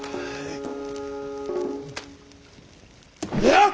やっ！